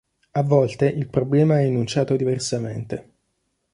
A volte il problema è enunciato diversamente.